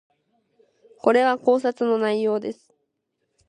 これは考察の内容です